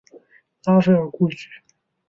拉斐尔故居。